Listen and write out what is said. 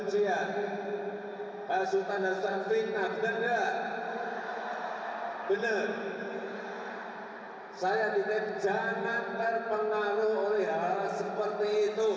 saya tidak menjanakkan pengaruh oleh hal hal seperti itu